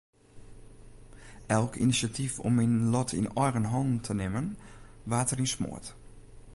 Elk inisjatyf om myn lot yn eigen hannen te nimmen waard deryn smoard.